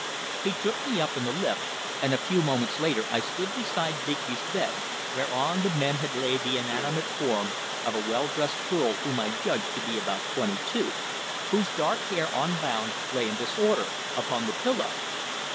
He took me up in the lift, and a few moments later I stood beside Digby's bed, whereon the men had laid the inanimate form of a well dressed girl whom I judged to be about twenty two, whose dark hair, unbound, lay in disorder upon the pillow.